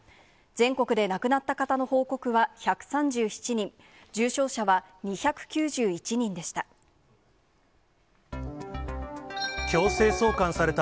全国で亡くなった方の報告は１３７人、重症者は２９１人でした。